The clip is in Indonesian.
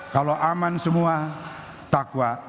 kalau aman semua takwa